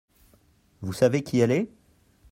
Vous savez qui elle est ?